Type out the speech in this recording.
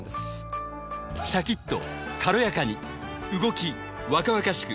シャキっと軽やかに動き若々しく